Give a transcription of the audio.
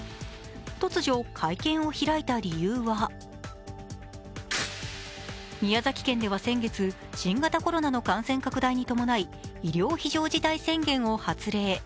突如、会見を開いた理由は宮崎県では先月新型コロナの感染拡大に伴い医療非常事態宣言を発令。